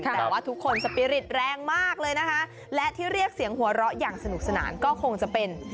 แต่ว่าทุกคนสปีริตแรงมากเลยนะคะและที่เรียกเสียงหัวเราะอย่างสนุกสนานก็คงจะเป็น